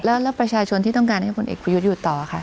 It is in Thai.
แล้วประชาชนที่ต้องการให้ผลเอกประยุทธ์อยู่ต่อค่ะ